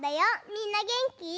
みんなげんき？